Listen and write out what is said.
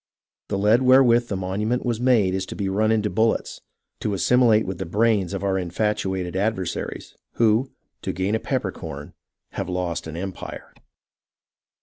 The lead wherewith the monument was made is to be run into bullets, to assimilate with the brains of our infatuated adversaries, who, to gain a peppercorn, have lost an empire.